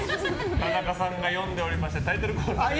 田中さんが読んでおりましたタイトルコール。